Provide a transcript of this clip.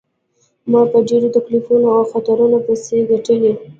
ما په ډیرو تکلیفونو او خطرونو پیسې ګټلي.